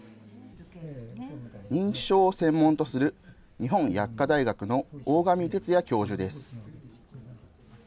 認知症を専門とする日本薬科大学の大上哲也教授です。